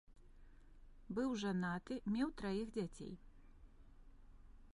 Быў жанаты, меў траіх дзяцей.